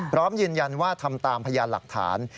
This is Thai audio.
พร้อมยืนยันว่าทำตามพยานหลักฐาน